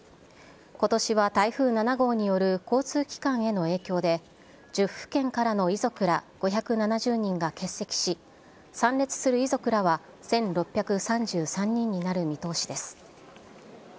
ことしは台風７号による交通機関への影響で、１０府県からの遺族ら５７０人が欠席し、参列する遺族らは１６３３人になる見通しです。